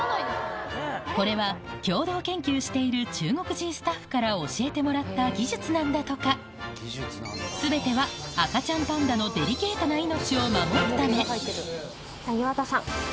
これは共同研究している中国人スタッフから教えてもらった技術なんだとか全ては赤ちゃんパンダの岩田さん